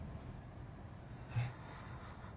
えっ？